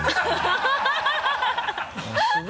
ハハハ